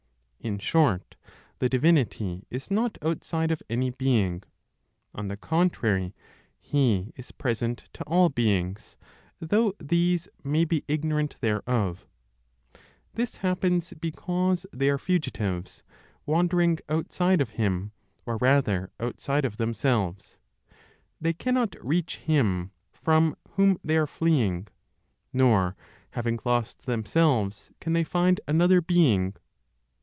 (In short), the divinity is not outside of any being. On the contrary, He is present to all beings, though these may be ignorant thereof. This happens because they are fugitives, wandering outside of Him or rather, outside of themselves. They cannot reach Him from whom they are fleeing, nor, having lost themselves, can they find another being.